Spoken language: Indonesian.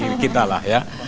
yang kita lah ya